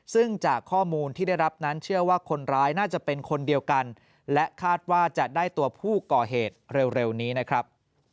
ซึ่งจากข้อมูลที่ได้รับนั้นเชื่อว่าคนร้ายน่าจะเป็นคนเดียวกันและคาดว่าจะได้ตัวผู้ก่อเหตุเร็วนี้นะครับ